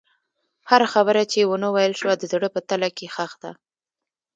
هره خبره چې ونه ویل شوه، د زړه په تله کې ښخ ده.